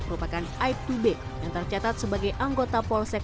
merupakan aib tubik yang tercatat sebagai anggota polsek